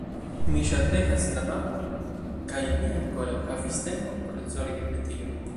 Mi ŝategas la mapojn kaj ne ankoraŭ havis tempon por zorgi pri tio.